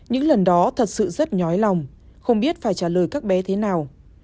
những lần đó thật sự rất nhói lòng không biết phải trả lời các bé thế nào